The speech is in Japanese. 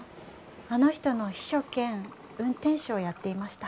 あの人の秘書兼運転手をやっていました。